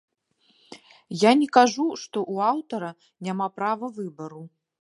Я не кажу, што ў аўтара няма права выбару.